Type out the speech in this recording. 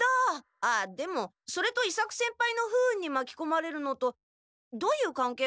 あっでもそれと伊作先輩の不運にまきこまれるのとどういうかんけいがあるんです？